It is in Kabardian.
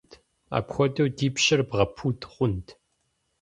Апхуэдэу ди пщыр бгъэпуд хъунт!